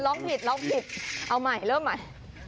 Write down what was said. ลองผิดเอาใหม่เริ่มใหม่